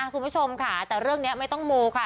คุณผู้ชมค่ะแต่เรื่องนี้ไม่ต้องมูค่ะ